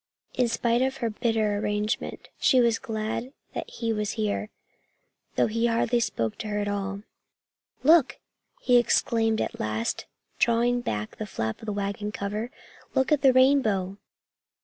In spite of her bitter arraignment, she was glad that he was here, though he hardly spoke to her at all. "Look!" he exclaimed at last, drawing back the flap of the wagon cover. "Look at the rainbow!"